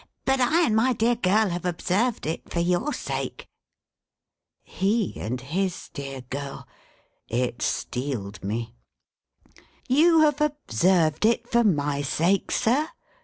But I and my dear girl have observed it for your sake." He and his dear girl! It steeled me. "You have observed it for my sake, sir?"